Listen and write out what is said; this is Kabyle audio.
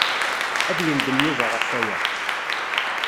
Ad yendem Yuba ɣef waya.